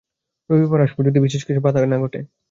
রবিবার আসব, যদি বিশেষ কিছু বাধা না ঘটে।